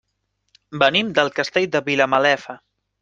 Venim del Castell de Vilamalefa.